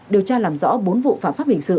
điều tra làm rõ bốn vụ phạm pháp hình sự